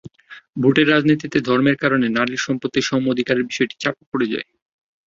ভোটের রাজনীতিতে ধর্মের কারণে নারীর সম্পত্তির সম-অধিকারের বিষয়টি চাপা পড়ে যায়।